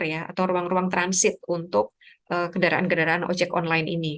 atau ruang ruang transit untuk kendaraan kendaraan ojek online ini